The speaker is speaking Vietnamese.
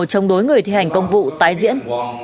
chống đối người thi hành công vụ tái diễn